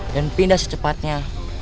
dan pindah secepatnya